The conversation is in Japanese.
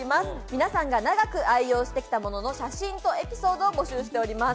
皆さんが長く愛用してきたものの写真とエピソードを募集しております。